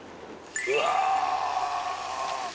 うわ！